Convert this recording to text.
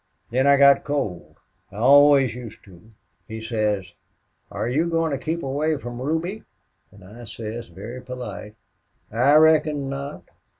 Then I got cold. I always used to.... He says, 'Are you goin' to keep away from Ruby?' "An' I says, very polite, 'I reckon not.